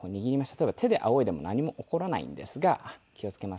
例えば手で仰いでも何も起こらないんですが気を付けますね。